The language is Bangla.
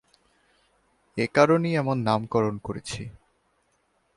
এ কারণেই এমন নামকরণ করেছি।